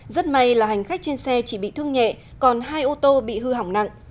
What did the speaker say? rất may là hành khách trên xe chỉ bị thương nhẹ còn hai ô tô bị hư hỏng nặng